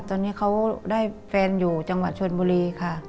ตอนนี้เขาได้แฟนอยู่จังหวัดชนบุรีค่ะ